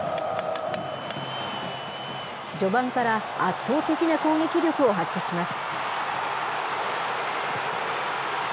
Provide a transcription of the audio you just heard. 序盤から圧倒的な攻撃力を発揮します。